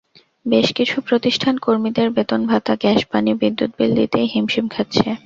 বেশ কিছু প্রতিষ্ঠান কর্মীদের বেতন-ভাতা, গ্যাস, পানি, বিদ্যুৎ বিল দিতেই হিমশিম খাচ্ছে।